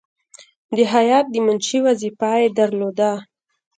د هیات د منشي وظیفه یې درلوده.